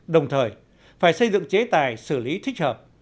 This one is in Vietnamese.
đồng thời phải xây dựng chế tài xử lý thích hợp